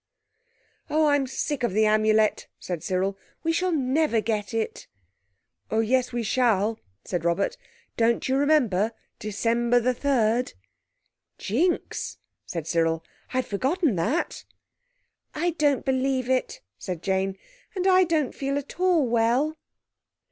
"Oh, I'm sick of the Amulet," said Cyril, "we shall never get it." "Oh yes we shall," said Robert. "Don't you remember December 3rd?" "Jinks!" said Cyril, "I'd forgotten that." "I don't believe it," said Jane, "and I don't feel at all well."